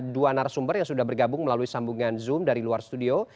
dua narasumber yang sudah bergabung melalui sambungan zoom dari luar studio